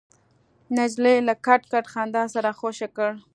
نجلۍ له کټ کټ خندا سره خوشې کړ.